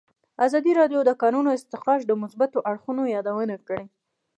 ازادي راډیو د د کانونو استخراج د مثبتو اړخونو یادونه کړې.